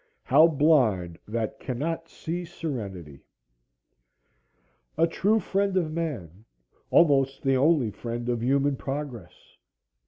— "How blind that cannot see serenity!" A true friend of man; almost the only friend of human progress.